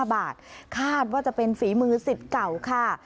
๕บาทคาดว่าจะเป็นฝีมือสิทธิ์เก่าค่ะ